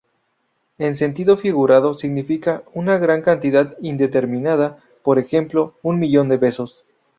En sentido figurado significa una gran cantidad indeterminada, por ejemplo un millón de besos.